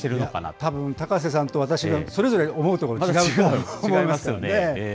たぶん、高瀬さんと私、それぞれ思うところ違うと思うんです違いますよね。